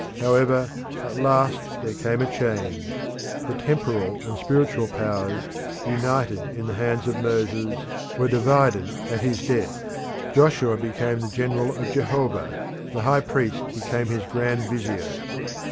However, at last there came a change. The temporal and spiritual powers, united in the hands of Moses, were divided at his death. Joshua became the general of Jehovah; the high priest became his grand vizier.